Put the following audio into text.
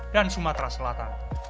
dan sumatera selatan